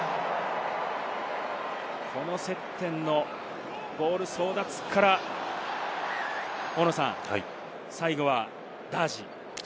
この接点のボール争奪から、最後はダージ。